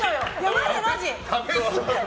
マジ、マジ。